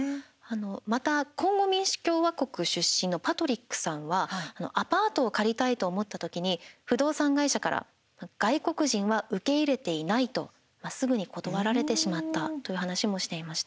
またコンゴ民主共和国出身のパトリックさんはアパートを借りたいと思った時に不動産会社から外国人は受け入れていないとすぐに断られてしまったという話もしていました。